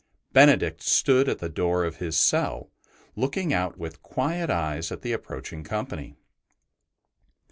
Benedict stood at the door of his cell, looking out with quiet eyes at the approaching company.